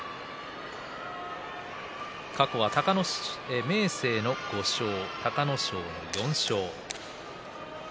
過去は明生の５勝、隆の勝の４勝。